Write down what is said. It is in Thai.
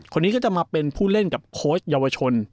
คนนี้ก็จะมาเป็นผู้เล่นกับโค้ชเยาวชน